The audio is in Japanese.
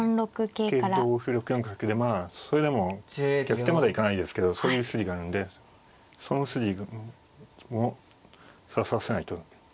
桂同歩６四角でまあそれでも逆転まではいかないですけどそういう筋があるんでその筋を指させないと。